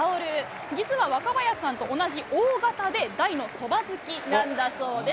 実は若林さんと同じＯ型で、大のそば好きなんだそうです。